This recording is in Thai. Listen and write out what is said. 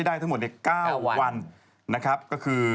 นี่แล้ว